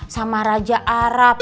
sama raja arab